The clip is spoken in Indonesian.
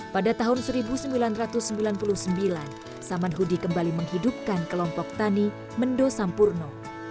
pada tahun seribu sembilan ratus sembilan puluh sembilan samanhudi kembali menghidupkan kelompok tani mendo sampurno